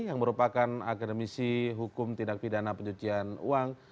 yang merupakan akademisi hukum tindak pidana pencucian uang